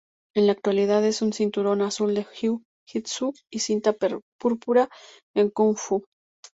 En la actualidad es cinturón azul de Jiu-Jitsu y cinta púrpura en Kung Fu.